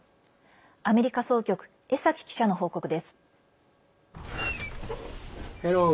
アメリカ総局江崎記者の報告です。